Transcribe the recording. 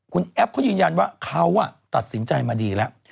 คุณแอปเขายืนยันว่าเขาตัดสินใจมาดีแล้ว